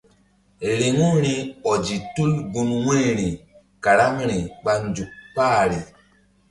Riŋu ri ɔzi tul gun wu̧yri karaŋri ɓa nzuk kpahri.